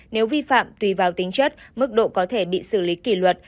nếu vi phạm tùy vào tính chất mức độ có thể bị xử lý kỷ luật